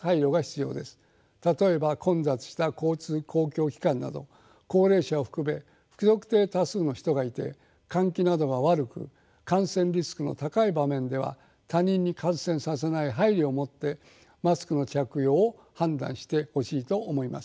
例えば混雑した公共交通機関など高齢者を含め不特定多数の人がいて換気などが悪く感染リスクの高い場面では他人に感染させない配慮をもってマスクの着用を判断してほしいと思います。